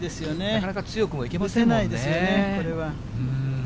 なかなか強くもいけませんもんね。